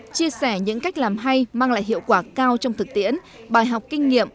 chia sẻ những cách làm hay mang lại hiệu quả cao trong thực tiễn bài học kinh nghiệm